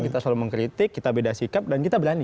kita selalu mengkritik kita beda sikap dan kita berani